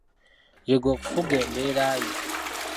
Yiga okufuga embeera yo.